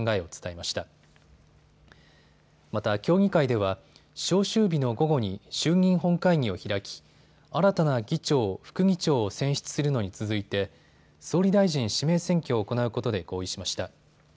また協議会では召集日の午後に衆議院本会議を開き新たな議長・副議長を選出するのに続いて総理大臣指名選挙を行うことで合意しました。